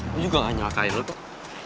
lu juga gak nyakain lu tuh